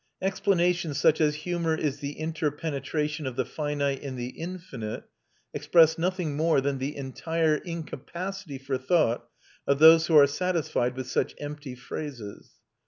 Explanations such as "Humour is the interpenetration of the finite and the infinite" express nothing more than the entire incapacity for thought of those who are satisfied with such empty phrases.